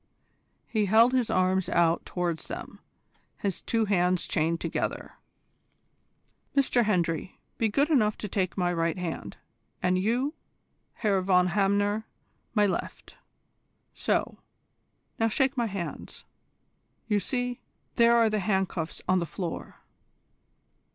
He held his arms out towards them, his two hands chained together. "Mr Hendry, be good enough to take my right hand, and you, Herr von Hamner, my left. So; now shake my hands. You see, there are the handcuffs on the floor."